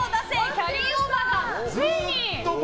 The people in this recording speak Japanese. キャリーオーバーがついに。